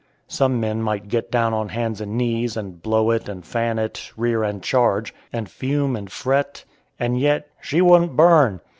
Some men might get down on hands and knees, and blow it and fan it, rear and charge, and fume and fret, and yet "she wouldn't burn."